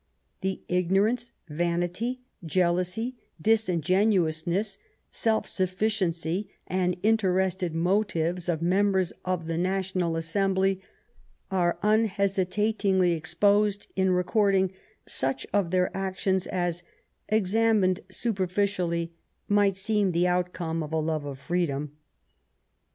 The ignorance, vanity, jealousy, disingenuousness, self sufliciency, and interested mo* tives of members of the National Assembly are unhesi tatingly exposed in recording such of their actions as, examined superficially, might seem the outcome of a love of freedom.